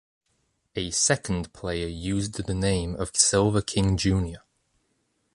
A second player used the name of Silver King Jr.